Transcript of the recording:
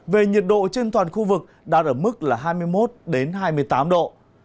về nhiệt độ trên toàn khu vực đạt ở mức là hai mươi một hai mươi tám độ